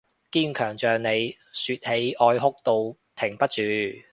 堅強像你，說起愛哭到停不住